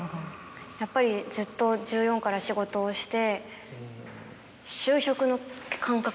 やっぱりずっと１４から仕事をして。